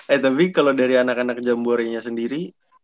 eh tapi kalau dari anak anak jamborenya sendiri